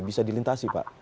bisa dilintasi pak